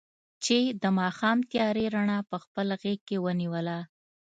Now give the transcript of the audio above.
چې د ماښام تیارې رڼا په خپل غېږ کې ونیوله.